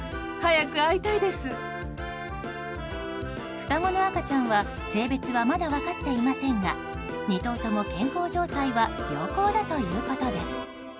双子の赤ちゃんは性別はまだ分かっていませんが２頭とも健康状態は良好だということです。